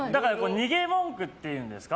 逃げ文句っていうんですか